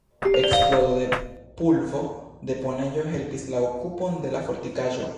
Eksplodo de pulvo-deponejo helpis la okupon de la fortikaĵo.